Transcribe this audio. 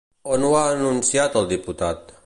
On ho ha anunciat el diputat?